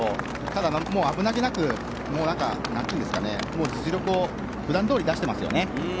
ただ、危なげなく実力を普段どおりに出していますよね。